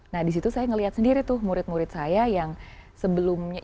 nah disitu saya ngelihat sendiri tuh murid murid saya yang sebelumnya